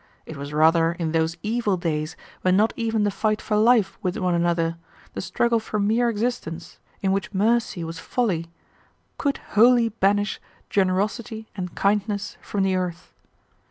It was rather in those evil days when not even the fight for life with one another, the struggle for mere existence, in which mercy was folly, could wholly banish generosity and kindness from the earth.